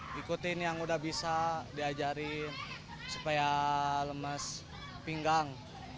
itu ikutin yang udah bisa diajarin supaya lemas pinggang